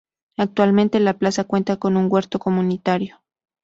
Actualmente, la plaza cuenta con un huerto comunitario.